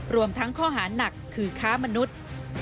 รวมทั้งข้อหานักคือค้ามนุษย์